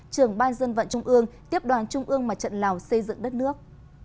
trưởng ban dân vận trung ương tiếp đoàn trung ương mặt trận lào xây dựng đất nước